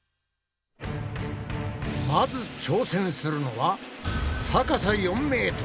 まず挑戦するのは高さ４ｍ。